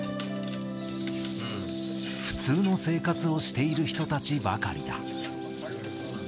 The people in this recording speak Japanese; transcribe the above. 普通の生活をしている人たちばかりだ。